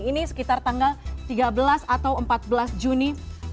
ini sekitar tanggal tiga belas atau empat belas juni dua ribu dua puluh